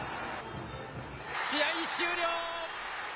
試合終了。